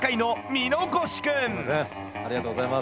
ありがとうございます。